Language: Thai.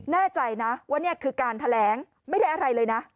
แน่ใจนะว่านี่คือการแถลงไม่ได้อะไรเลยนะ